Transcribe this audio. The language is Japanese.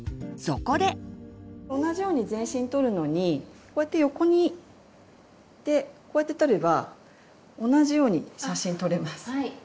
同じように全身撮るのにこうやって横にこうやって撮れば同じように写真撮れます。